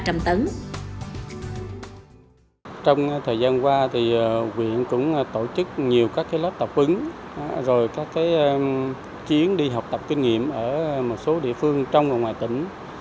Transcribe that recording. trong thời gian qua thì quyện cũng tổ chức nhiều các lớp tập hứng rồi các chuyến đi học tập kinh nghiệm ở một số địa phương trong và ngoài tỉnh